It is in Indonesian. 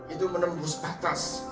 itu menembus batas